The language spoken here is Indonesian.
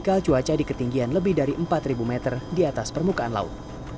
ketika cuaca di ketinggian lebih dari empat meter di atas permukaan laut